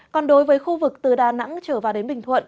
còn đối với khu vực từ đà nẵng trở vào đến bình thuận